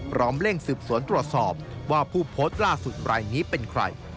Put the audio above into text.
เร่งสืบสวนตรวจสอบว่าผู้โพสต์ล่าสุดรายนี้เป็นใคร